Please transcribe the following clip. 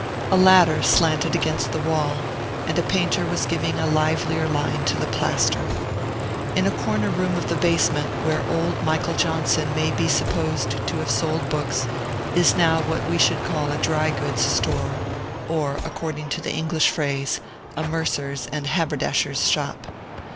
A ladder slanted against the wall, and a painter was giving a livelier line to the plaster. In a corner room of the basement, where old Michael Johnson may be supposed to have sold books, is now what we should call a dry goods store, or, according to the English phrase, a mercer's and haberdasher's shop.